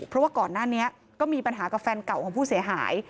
เพราะว่าก่อนหน้านี้ก็มีปัญหากับแฟนเก่าของผู้เสียหาย